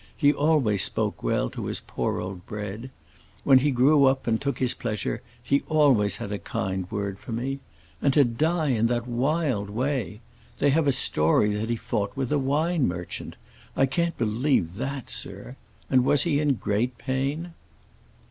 He always spoke well to his poor old Bread. When he grew up and took his pleasure he always had a kind word for me. And to die in that wild way! They have a story that he fought with a wine merchant. I can't believe that, sir! And was he in great pain?"